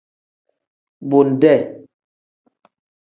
Bode.